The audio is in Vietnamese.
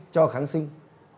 cho kháng sinh